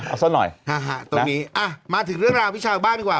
เอาซะหน่อยตรงนี้อ่ะมาถึงเรื่องราวพี่ชาวบ้านดีกว่า